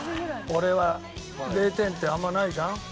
俺は０点ってあんまないじゃん？